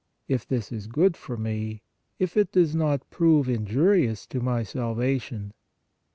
. if this is good for me, if it does not prove icwflfif^rgslo my salvation."